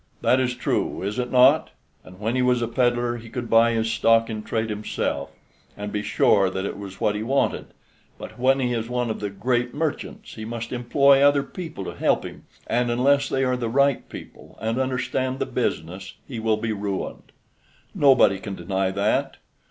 That is true, is it not? And when he was a peddler he could buy his stock in trade himself, and be sure that it was what he wanted; but when he is one of the great merchants he must employ other people to help him, and unless they are the right people and understand the business, he will be ruined. Nobody can deny that.